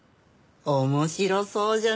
面白そうじゃない？